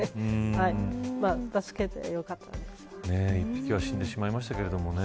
１匹は死んでしまいましたけれど。